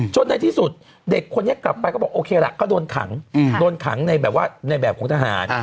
จนในที่สุดเด็กคนนี้กลับไปก็โอเคแหละก็โดนขังในแบบภูมิทหาร